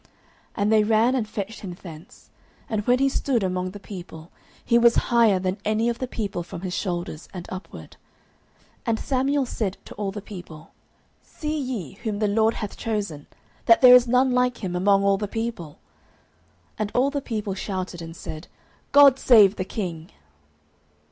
09:010:023 And they ran and fetched him thence: and when he stood among the people, he was higher than any of the people from his shoulders and upward. 09:010:024 And Samuel said to all the people, See ye him whom the LORD hath chosen, that there is none like him among all the people? And all the people shouted, and said, God save the king.